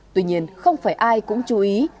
tuy nhiên không phải ai cũng chú ý